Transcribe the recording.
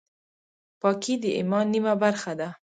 پاکي د ایمان نیمه برخه ده.